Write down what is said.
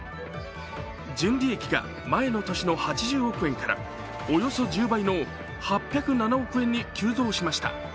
純利益が前の都市の８０億円からおよそ１０倍のおよそ１０倍の８０７億円に急増しました。